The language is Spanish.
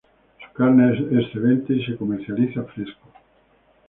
Su carne es excelente y se comercializa fresco.